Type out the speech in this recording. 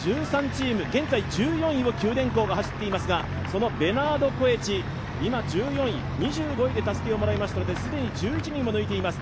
現在１４位を九電工が走っていますがそのベナード・コエチ、今１４位、２５位でたすきをもらいましたので、既に１１人を抜いています。